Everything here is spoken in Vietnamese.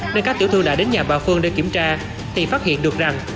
bà phương đã kiểm tra thì phát hiện được rằng